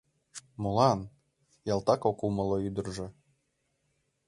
Молан? — ялтак ок умыло ӱдыржӧ.